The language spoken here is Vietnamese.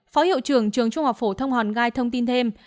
phó hiệu trưởng trường trung học phổ thông hòn gai thông tin thêm